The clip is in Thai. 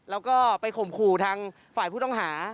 แล้วก็ไปข่มขู่ทางฝ่ายผู้ต้องหา